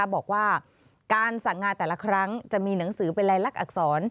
บอกว่าการสั่งงานแต่ละครั้งจะมีหนังสือเป็นลายลักษณอักษร